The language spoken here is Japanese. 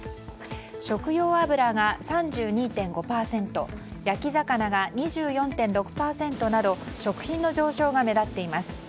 食用油が３２．５％焼き魚が２４．６％など食品の上昇が目立っています。